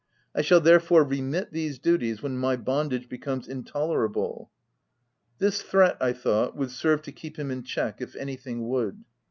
I shall there fore remit these duties when my bondage be comes intolerable." This threat, I thought, would serve to keep him in check, if anything would.